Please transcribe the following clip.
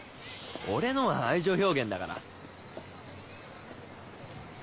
俺のは愛情表現だから。